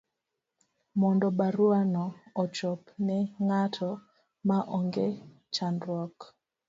mondo baruano ochop ne ng'atno, ma onge chandruok